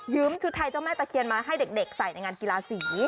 ชุดไทยเจ้าแม่ตะเคียนมาให้เด็กใส่ในงานกีฬาสี